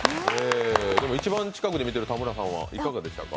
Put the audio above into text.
でも一番近くで見ている田村さんはいかがでしたか？